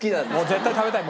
絶対食べたい。